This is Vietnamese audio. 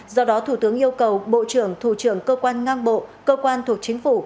do đó thủ tướng yêu cầu bộ trưởng thủ trưởng cơ quan ngang bộ cơ quan thuộc chính phủ